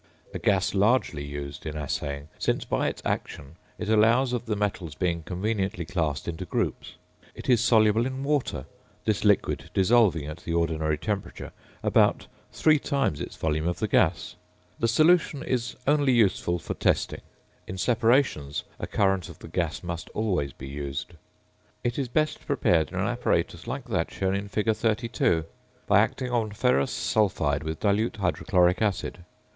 A gas largely used in assaying, since by its action it allows of the metals being conveniently classed into groups. It is soluble in water, this liquid dissolving at the ordinary temperature about three times its volume of the gas. The solution is only useful for testing. In separations, a current of the gas must always be used. It is best prepared in an apparatus like that shown in fig. 32, by acting on ferrous sulphide with dilute hydrochloric acid.